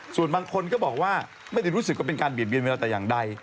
ส่วนบางคนก็บอกว่าไม่ได้รู้สึกว่าเป็นการเบียดเบียนเวลาแต่อย่างใด